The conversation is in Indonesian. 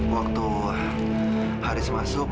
waktu haris masuk